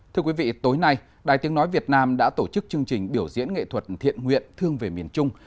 thưa quý vị tối nay đài tiếng nói việt nam đã tổ chức chương trình biểu diễn nghệ thuật thiện nguyện thương về miền trung